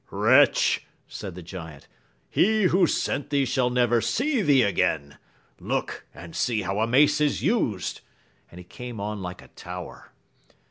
Wretch ! said the giant, he who sent thee shall never see thee again ; look, and see how a mace is used ! and he came on like a tower.